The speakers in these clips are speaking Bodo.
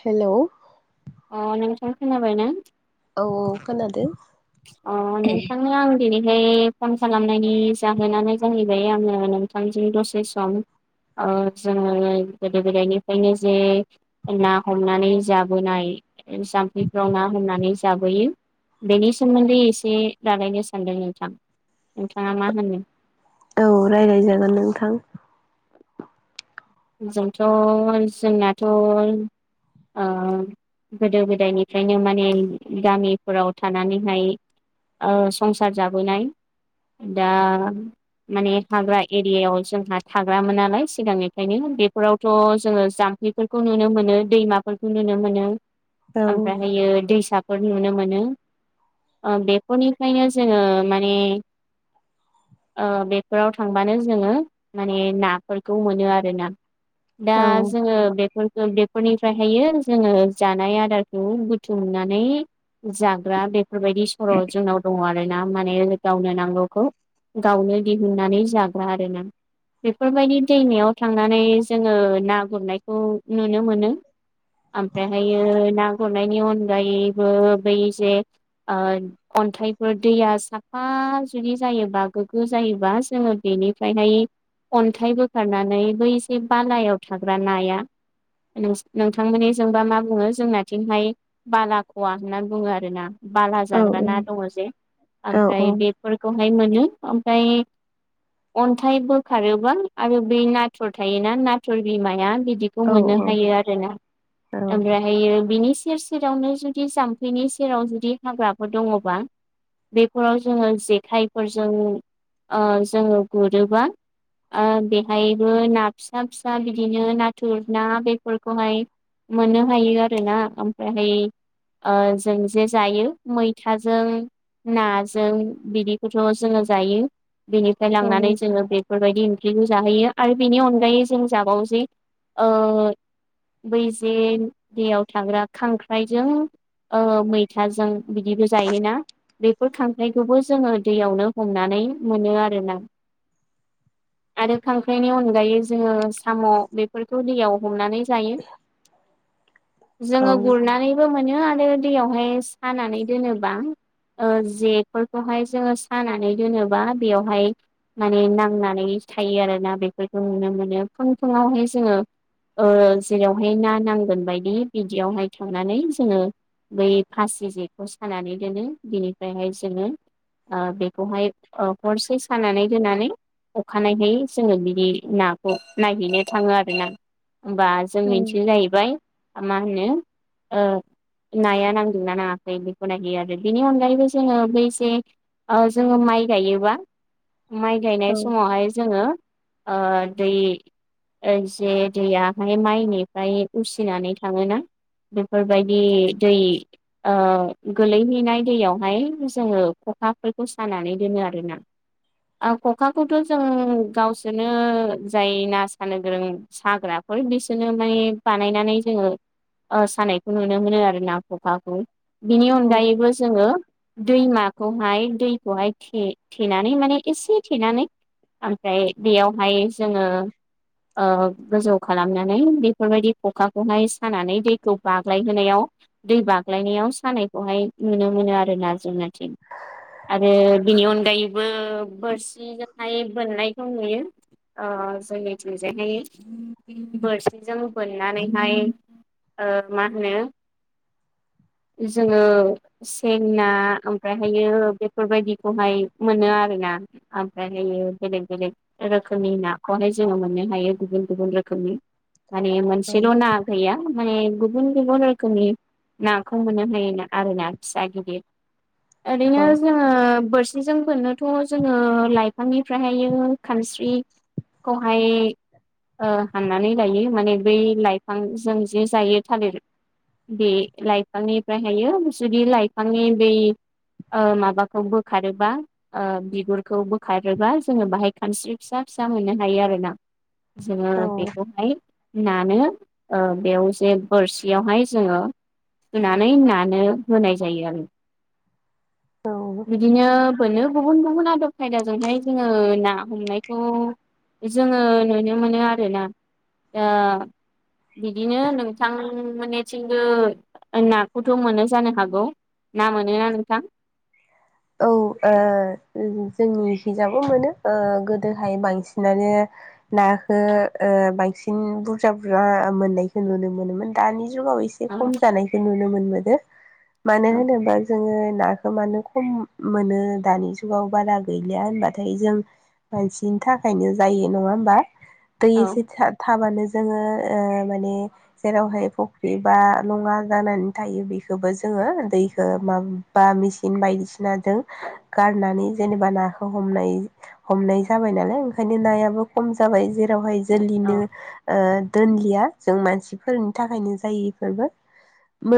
हेल'। अ नोंथां खोनाबाय ना? औ खोनादों। अ नोंथांनो आं दिनै ए फन खालामनायनि जाहोनानो जाहैबाय आङो नोंथांजों दसे सम ओ जोङो गोदो- गोदायनिफ्रायनो जे ना हमनानै जाबोनाय जाम्फैफ्राव ना हमनानै जाबोयो बेनि सोमोन्दै एसे रालायनो सान्दों नोंथां। नोंथाङा मा होनो? औ राय्लायजागोन नोंथां। जोंथ' जोंनाथ' ओ गोदो- गोदायनिफ्रायनो माने गामिफोराव थानानैहाय ओ संसार जाबोनाय। दा माने हाग्रा एरियायाव जोंहा थाग्रामोन नालाय सिगांनि ओंखायनो बेफोरावथ' जोङो जाम्फैफोरखौ नुनो मोनो दैमाफोरखौ नुनो मोनो। औ ओमफ्रायहायो दैसा नुनो मोनो ओ बेफोरनिफ्रायनो जोङो माने ओ बेफोराव थांबानो जोङो माने नाफोरखौ मोनो आरो दा औ जोङो बेफोरखौ फोरनिफ्रायहायो जोङो जानाय आदारखौ बुथुमनानै जाग्रा बे बेफोरबायदि सर' जोंनाव दङ आरो माने गावनो नांगौखौ गावनो दिहुननानै जाग्रा आरो ना। बेफोरबायदि दैमायाव थांनानै जोङो ना गुरनायखौ नु नो मोनो ओमफ्राहायो ना गुरनायनि अन गायबो बै जे ओ अन्थाइफोर दैया साफा जुदि जायोबा गोगो जायोबा जोङो बे बेनिफ्रायहाय अन्थाइ बोखारनानै बै जे बालायाव थाग्रा नाया नोंथांमोननि जोंबा मा बुङो जोंनाथिंहाय बालाख'वा होनना बुङो आरो ना। बाला औ जाग्रा ना दङ जे औ औ ओमफ्राय बेफोरखौ मोनो ओमफ्राय अन्थाय बोखारोबा आरो बै ना नाथुर थायोना नाथुर बिमाया बिदिखौ औ मोननो औ हायो आरोना औ ओमफ्रायहायो बिनि सेर सेरावनो जुदि जाम्फैनि सेराव जुदि हाग्राफोर दङबा बेफोराव जोङो जेखाइफोरजों ओ जोङो गुरोबा बेहायबो ना फिसा- फिसा बिदिनो नाथुर ना बेफोरखौहाय मोननो हायो आरो ना ओमफ्रायहाय ओ जों जे जायो मैथाजों नाजों बिदिखौथ' जोङो जायो। बेनिफ्राय लांनानै जोङो बेफोरबायदि ओंख्रिखौ जाहैयो। आरो बिनि अनगायै जों जाबावोजे ओ बैजे दैयाव थाग्रा खांख्राइजों ओ मैथाजों बिदिबो जायोना। बेफोर खांख्राइखौबो जोङो दैयावनो हमनानै मोनो आरोना। आरो खां क्रायनि अनगायै जोङो साम' बेफोरखौ दैयाव हमनानै जायो। औ जोङो गुरनानैबो मोनो आरो दैयावहाय सानानै दोनोबा ओ जेफोरखौहाय जोङो सानानै दोनोबा बेवहाय माने नांनानै थायो आरोना बेफोरखौ नुनो मोनो फुं -फुङावहाय जोङो ओ जेरावहाय ना नांगोन बायदि बिदियावहाय थांनानै जोङो बै फासि जेखौ सानानै दोनो बिनिफ्रायहाय जोङो ओ बेखौहाय ओ हरसे सानानै दोनानै अखानायै हाय जोङो बिदि नाखौ नायहैनो थाङो आरो ना होमबा जों मोनथियो जाहैबाय मा होनो ओ नाया नांदोंना नाङाखै बेखौ नायो आरो बेनि अनगायैबो जोङो बैजे ओ जोङो माइ गायोबा माइ गायनाय समावहाय जोङो ओ दै जे दैयाहाय माइनिफ्राय उसिनानै थाङोना? बेफोरबायदि दै ओ गोलैहैनाय दैयावहाय जोङो ख' खा फोरखौ सानानै दोनो आरो ना ओ ख'खाखौथ' जों गाव‌ सोरनो जाय ना सानो गोरों साग्राफोर बिसोरनो माने बानायनानै जोङो ओ सानायखौ नुनो मोनो आरो ना खखाखौ बिनि अनगायैबो जोङो दैमाखौहाय दैखौहाय थे-थेनानै माने एसे थेनानै ओमफ्राय बेयावहाय जोङो ओ गोजौ खालामनानै बेफोरबायदि ख'खा खौहाय सानानै दैखौ बाग्लायहोनायाव दै बाग्लायनायाव सानायखौहाय नुनो मोनो आरोना जोंनिथिं। आरो बिनि अनगायैबो बोरसि जोंहाय बोननायखौ नुयो। ओ‌ जोंनिथिंजायहाय बोरसिजों बोननानैहाय ओ मा होनो जोङो सें ना ओमफ्रायहायो बेफोरबायदिखौहाय मोनो आरोना। ना आमफाय दायो बेलेक ना बेलेग रोखोमनि नाखौहाय जोङो मोननो हायो गुबुन-गुबुन रोखोमनि माने मोनसेल' ना गैया। माने गुबुन-गुबुन रोखोमनि नाखौ मोननो हाया आरो ना फिसा गिदिर। ओरैनो जोङो बोरसिजों बोननोथ' जोङो लाइफांनिफ्रायहायो ओ खानस्रि खौहाय‌ ओ हाननानै लायो माने बै लाइफांजों जि जायो थालिर बे लाइफांनिफ्रायहायो जुदि लाइफांनि बै ओ माबाखौ बोखारोबा ओ बिगुरखौ बोखारोबा‌ जोङो बाहाय खानस्रि फिसा-फिसा मोननो हायो आरोना जोङो बेखौहाय नानो ओ बेयाव जे बोरसियावहाय जोङो सुनानै नानो होनाय जायो आरो। औ बिदिनो बोनो गुबुन-गुबुन आदब खायदाजोंहाय जोङो ना हमनायखौ जोङो नुनो मोनो आरो ना। ओ बिदिनो नोंथां मोननिथिंबो ना खौथ' मोनो जानो हागौ। ना मोनोना नोंथां? औ ओ जोंनि खिजाबो मोनो गोदोहाय बांसिनानो नाखो ओ बांसिन बुरजा-बुरजा मोननायखौ नुनो मोनोमोन दानि जुगाव एसे औ खम जानायखौ नुनो मोनबोदों। मानो औ होनोबा जोंङो नाखौ मानो खम। मोनो दानि जुगाव बारा गैलिया होनबाथाय जों मानसिनि थाखायनो जायो नङा होमबा दै औ एसे था-थाबानो जोंङो ओ माने जेरावहाय फुख्रि बा लंङा जानानै थायो बेखौबो जों बो दैखो मा बा मेसिन बायदिसिना बायदि सिनाजों गारनानै जेनेबा नाखौ हमनाय हमनाय जाबाय नालाय ओंखायनो नायाबो खम जाबाय जेरावहाय औ जोलैनो ओ दोनलिया जों मानसिफोरनि थाखायनो जायो इफोरबो।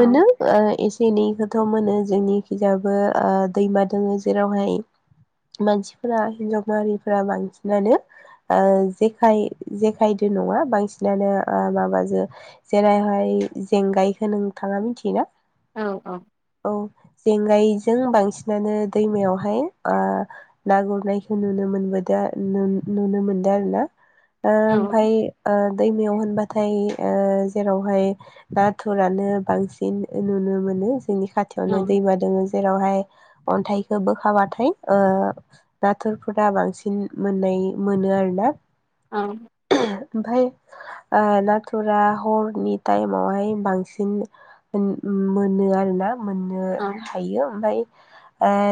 औ एसे एनैखौथ' मोनो जोंनिखिजाबो ओ । दैमा दंङो जेरावहाय। मानसिफोरा हिनजाव माहारिफोरा बांसिनानो जेखाय जेखायदों। नङा बांसिनानो माबाजों जेरैहाय जेंगायखौ नोंथांङा मिथियोना। औ औ औ जेंगायजों बांसिन। बांसिनानो दैमायावहाय ना गुरनायखौ नुनो मोनबोदो आरो नुनो मोनदों। मोनबोदों ओ औ ओमफाय ओ दैमायाव होनबाथाय। नाथाय ओ जेरावहाय नाथुरानो बांसिन नुनो मोनो जोंनि। औ खाथियावनो दैमा दोंङो जेरावहाय। अन्थाइखौ बोखाबाथाय ओ नाथुरफोरा बांसिन मोननाय मोनो। आरो ना। औ। ओमफ्राय नाथुरा हरनि टाइमावहाय बांसिन। मोनो आरो ना मोननो हायो ओमफ्राय। ओ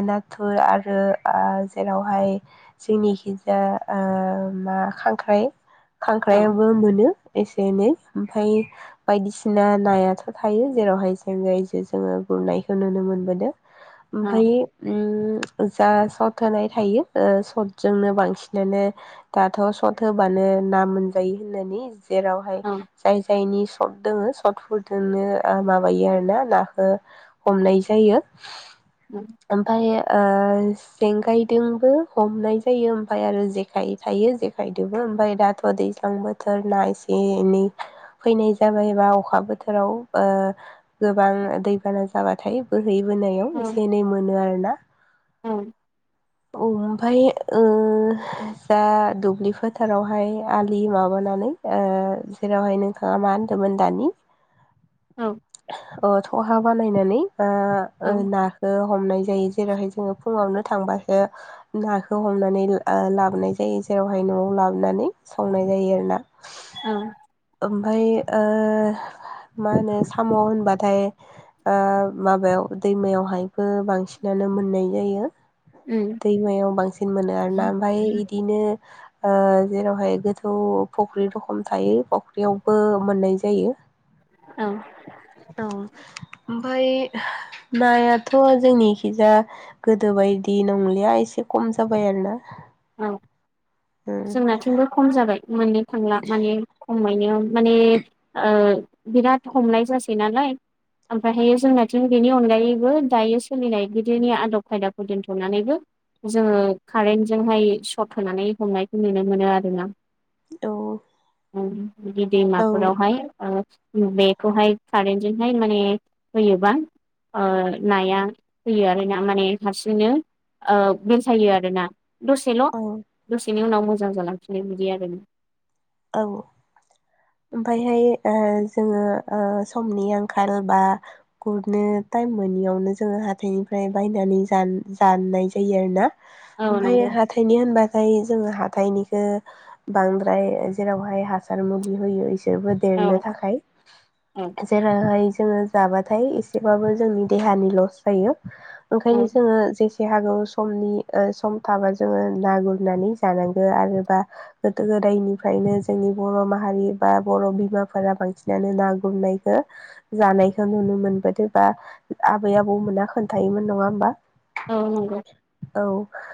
नाथुर आरो ओ जेरावहाय जोंनिखिजा ओ। ना खांख्राइ औ खांख्राइबो मोनो एसे। ओमफ्राय बायदिसिना नायाथ थायो जेरावहाय जेखायजों जोंङो गुरनाय। बेखौ नुनो मोनबोदों ओमफ्राय ओम। जा सट होनाय थायो सटजोंनो बांसिनानो दाथ सट होबानो। ना मोनजायो होननानै जेरावहाय जाय जायनि सट दंङ। सटफोरजोंनो माबायो आरो ना नाखौ हमनाय जायो। ओमफ्राय ओ जेंगायजोंबो हमनाय जायो ओमफ्राय आरो जेखाइ थायो जेखाइजोंबो ओमफ्राय दाथ। दैज्लां बोथोर ना एसे एनै फैनाय जाबाय बा अखा बोथोराव। गोबां दैबाना जाबाथाय । बोहैबोनायाव एसे एनै मोनो आरोना। ओमफाय ओ दा दुब्लि फोथारावहाय आलि माबानानै। जेरावहाय नोंथांङा मा होनदोंमोन दानि। [inaudible] थहा बानायनानै बा ना। हमनाय जायो जेरैहाय जोंङो फुंङावनो थांबासो नाखौ हमनानै लाबोनाय जायो। जेरावहाय नआव लाबोनानै संनाय जायो आरो ना। औ। ओमफ्राय ओ । मा होनो साम' होनबाथाय माबायाव दैमायावहायबो बांसिनानो। मोननाय जायो दैमायाव बांसिन मोनो आरोना ओमफ्राय बिदिनो। जेरावहाय गोथौ फख्रि रखम थायो फख्रियावबो मोननाय जायो। औ औ। ओमफ्राय नायाथ' जोंनिखिजाय गोदोनि बायदि नंलिया एसे खम। खम जाबाय आरो ना। औ जोंनिथिंबो खम जाबाय मोननो थांला माने खम। खमायनो माने बिराद हमनाय जासै नालाय। ओमफ्रायहाय जोंनाथिं बेनि अनगायैबो दायो सोलिनाय गोदोनि आदब खायदाखौ दोनथ'नानैबो। जोङो कारेन्टजोंहाय सर्ट होनानै हमनायखौ नुनो मोनो आरो ना। औ उम बिदि औ दैमाफोरावहाय बेखौहाय कारन्जोंहाय माने होयोबा। ओ नाया होयो आरो ना माने हारसिंनो ओ बेलथायो आरो ना। दसेल' औ दसेनि उनाव मोजां जालांफिनो बिदि आरो ना । औ ओमफायहाय ओ जोङो ओ समनि आंखाल बा गुरनो। टाइम मोनियावनो जोङो हाथाइनिफ्राय बायनानै जान जानाय जायो आरो ना। औ ओमफ्राय नंगौ हाथाइनि होनबाथाय जोङो हाथाइनिखौ बांद्राय। जेरावहाय हासार मुलि होयो इसोरबो औ देरनो थाखाय औ जेरैहाय जों जाबाथाय एसेबाबो जोंनि देहानि लस जायो ओंखायनो औ जोंङो जे देहागौ समनि ओ सम थाबा जोङो ना गुरनानै जानांगो आरोबा गोदो गोदायनि। फ्रायनो जोंनि बर' माहारि बा बर' बिमाफोरा बांसिनानो ना गुरनायखौ जानो नायखौ नुनो मोनबोदो बा आबै आबौ मोना खोन्थायोमोन नङा होमबा। औ नंगौ औ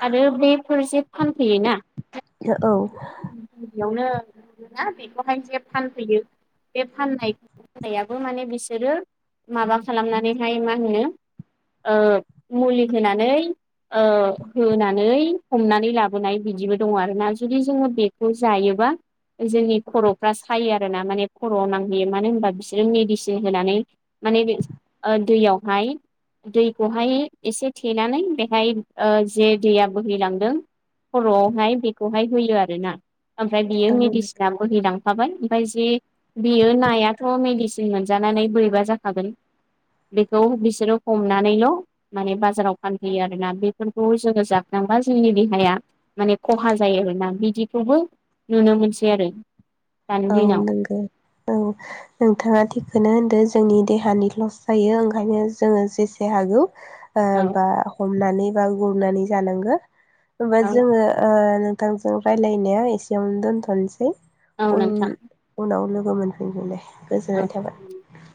आरो बेफोरसे। फानफैयो औ इयावनो। ना बेखौहाय जे फानफैयो। बे फाननाय फाननायाबो माने बिसोरो माबा खालामनानैहाय मा होनो। ओ मुलि होनानै। ओ होनानै हमनानै लाबोनाय बिदिबो दङ आरोना जुदि जोङो बेखौ जायोबा। जोंनि खर'फ्रा सायो आरो ना माने खर'आव नांहैयो मानो होनबा बिसोरो मेडिसिन होनानै। माने दैयावहाय दैखौहाय एसे। थेनानै बेहाय जे दैया बोहैलांदों। खर'आवहाय बेखौहाय होयो आरोना ओमफ्राय बियो मेडिसिना बोहैलां। फागोन ओमफ्राय जे बेयो नायाथ' मेडिसिन मोनजानानै बोरैबा जाखागोन। बेखौ बिसोरो हमनानैल' माने बाज जाराव फानफैयो आरोना बेफोरखौ जोङो जाफ्लांबा जोंनि देहाया माने खहा जायो आरोना। बिदिखौबो नुनो मोनसै आरो। दानि औ दिनाव नंगौ औ नोंथाङा थिखौनो होनदो। जोंनि देहानि लस जायो ओंखायनो जोङो जेसे हागौ ओ औ बा हमनानै। ना गुरनानै जानांगो ऐसा औ जोङो ओ थांजों रायलायनाया एसेयावनो दोनथ'नोसै औ उन नोंथां उनावनो। गाबोन लोगो मोनफिनगोन दे गोजोननाय औ थाबाय।